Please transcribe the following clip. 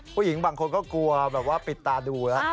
ผู้หญิงบางคนก็กลัวแบบว่าปิดตาดูแล้ว